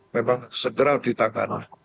memang segera ditangkap